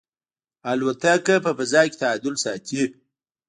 الوتکه په فضا کې تعادل ساتي.